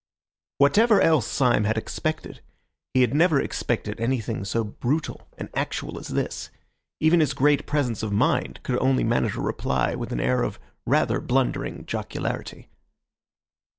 Whatever else Syme had expected, he had never expected anything so brutal and actual as this. Even his great presence of mind could only manage a reply with an air of rather blundering jocularity.